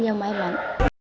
nhiều may mắn